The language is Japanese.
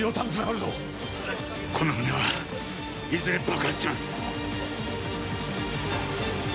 この船はいずれ爆発します。